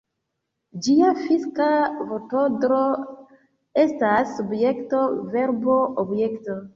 Ĝia fiksa vortordo estas subjekto-verbo-objekto.